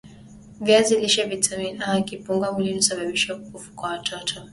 viazi lishe vina vitamin A ikipungua mwilini husababisha upofu kwa watoto